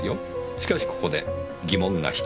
しかしここで疑問が１つ。